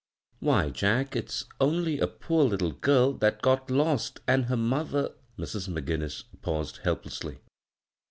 " Why, Jack, if s only a poor litde girl that got lost, an' her mother " Mrs. McGinnis paused helplessly.